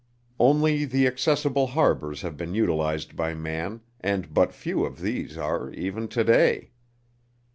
Only the accessible harbors have been utilized by man, and but few of these are, even to day.